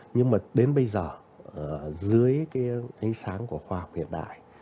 nhưng mà đến bây giờ dưới cái ánh sáng của khoa học hiện đại